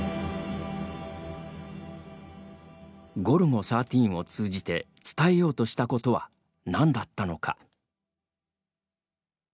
「ゴルゴ１３」を通じて伝えようとしたことは何だったのか。